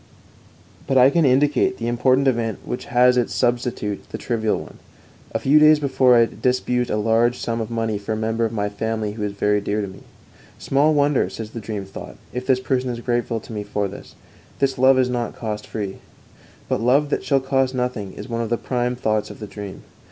But I can indicate the important event which has as its substitute the trivial one. A few days before I had disbursed a large sum of money for a member of my family who is very dear to me. Small wonder, says the dream thought, if this person is grateful to me for this this love is not cost free. But love that shall cost nothing is one of the prime thoughts of the dream.